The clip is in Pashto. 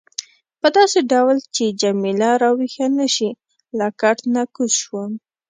په داسې ډول چې جميله راویښه نه شي له کټ نه کوز شوم.